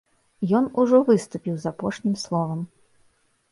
Ён ужо выступіў з апошнім словам.